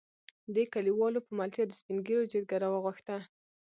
دې کليوالو په ملتيا د سپين ږېرو جرګه راوغښته.